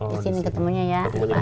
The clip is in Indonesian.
di sini ketemunya ya